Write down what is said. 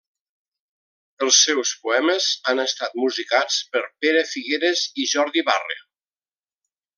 Els seus poemes han estat musicats per Pere Figueres i Jordi Barre.